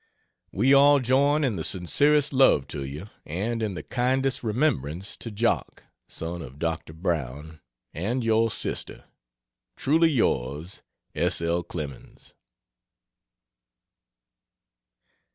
We all join in the sincerest love to you, and in the kindest remembrance to "Jock" [Son of Doctor Brown.] and your sister. Truly yours, S. L. CLEMENS.